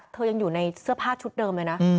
ยังอยู่ในเสื้อผ้าชุดเดิมเลยนะ